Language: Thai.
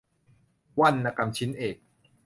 วรรณกรรมชิ้นเอก